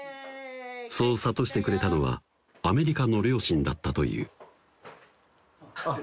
そう諭してくれたのはアメリカの両親だったというあっ